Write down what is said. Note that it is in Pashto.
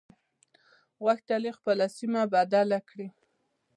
غوښتل يې خپله سيمه بدله کړي.